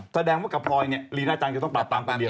แสดงว่ากับพลอยเนี่ยลีน่าจังจะต้องปราบปรามคนเดียว